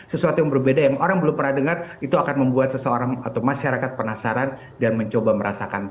sesuatu yang berbeda yang orang belum pernah dengar itu akan membuat seseorang atau masyarakat penasaran dan mencoba merasakan